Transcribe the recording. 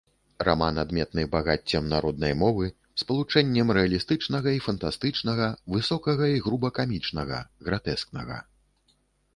Раман адметны багаццем народнай мовы, спалучэннем рэалістычнага і фантастычнага, высокага і груба камічнага, гратэскнага.